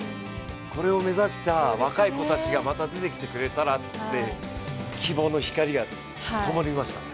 これを目指した若い子たちがまた出てきてくれたらって希望の光がともりました。